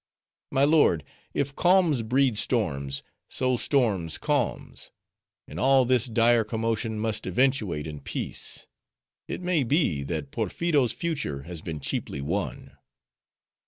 My lord, if calms breed storms, so storms calms; and all this dire commotion must eventuate in peace. It may be, that Perpheero's future has been cheaply won."